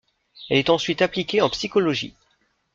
Elle est ensuite appliquée en psychologie.